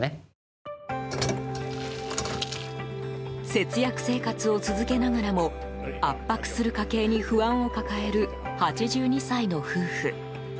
節約生活を続けながらも圧迫する家計に不安を抱える８２歳の夫婦。